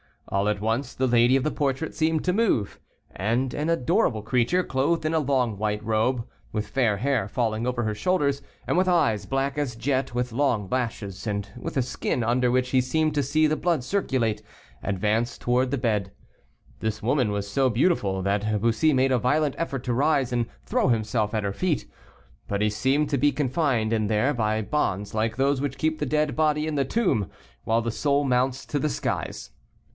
All at once the lady of the portrait seemed to move, and an adorable creature, clothed in a long white robe, with fair hair falling over her shoulders, and with eyes black as jet, with long lashes, and with a skin under which he seemed to see the blood circulate, advanced toward the bed. This woman was so beautiful, that Bussy made a violent effort to rise and throw himself at her feet. But he seemed to be confined in there by bonds like those which keep the dead body in the tomb, while the soul mounts to the skies.